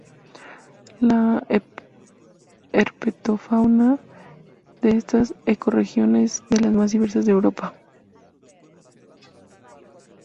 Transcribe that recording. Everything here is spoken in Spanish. La herpetofauna de esta ecorregión es de las más diversas de Europa.